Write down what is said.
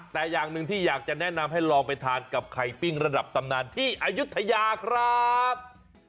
แต่อย่างหนึ่งที่อยากจะแนะนำให้ลองไปทานกับไข่ปิ้งระดับตำนานที่อายุทยาครับ